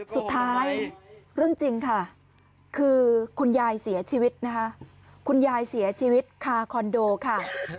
เรื่องจริงค่ะคือคุณยายเสียชีวิตนะคะคุณยายเสียชีวิตคาคอนโดค่ะ